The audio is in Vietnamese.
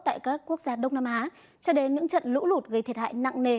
tại các quốc gia đông nam á cho đến những trận lũ lụt gây thiệt hại nặng nề